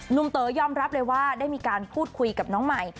เต๋อยอมรับเลยว่าได้มีการพูดคุยกับน้องใหม่